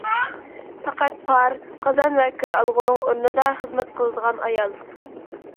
پەقەت پار قازان ۋە كىرئالغۇنىڭ ئورنىدا خىزمەت قىلىدىغان ئايال.